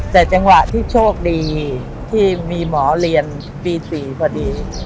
แต่จังหวะที่โชคดีที่มีหมอเรียนปี๔พอดี